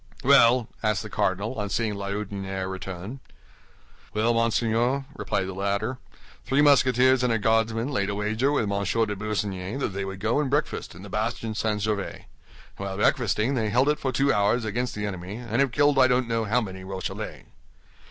"Well?" asked the cardinal, on seeing La Houdinière return. "Well, monseigneur," replied the latter, "three Musketeers and a Guardsman laid a wager with Monsieur de Busigny that they would go and breakfast in the bastion St. Gervais; and while breakfasting they held it for two hours against the enemy, and have killed I don't know how many Rochellais."